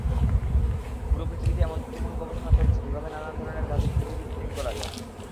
পুরো পৃথিবীতে এখন তুমুল গবেষণা চলছে কিভাবে নানান ধরণের ধাতু থ্রিডি প্রিন্টিং করা যায়।